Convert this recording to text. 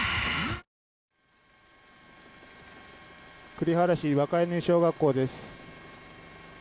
栗原市若柳小学校です。